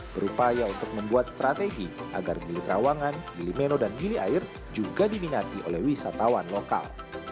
berupaya untuk membuat strategi agar gili trawangan gili meno dan gili air juga diminati oleh wisatawan lokal